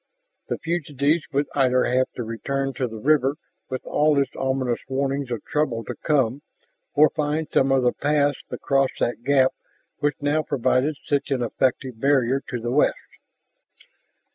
The fugitives would either have to return to the river with all its ominous warnings of trouble to come, or find some other path across that gap which now provided such an effective barrier to the west.